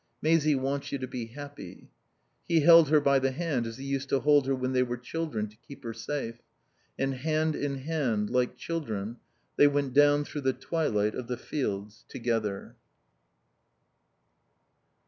"Maisie wants you to be happy." He held her by the hand as he used to hold her when they were children, to keep her safe. And hand in hand, like children, they went down through the twilight of the fields, together.